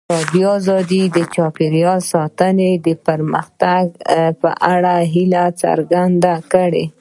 ازادي راډیو د چاپیریال ساتنه د پرمختګ په اړه هیله څرګنده کړې.